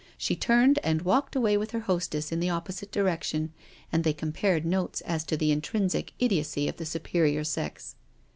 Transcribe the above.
She turned and walked away with her hostess in the opposite direction, and they compared notes as to the intrinsic idiocy of the superior sex.